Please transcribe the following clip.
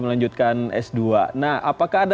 melanjutkan s dua nah apakah ada